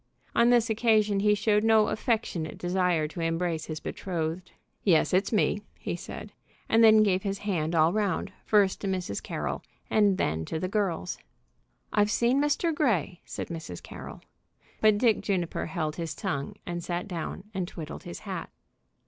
On this occasion he showed no affectionate desire to embrace his betrothed. "Yes, it's me," he said, and then gave his hand all round, first to Mrs. Carroll and then to the girls. "I've seen Mr. Grey," said Mrs. Carroll. But Dick Juniper held his tongue and sat down and twiddled his hat.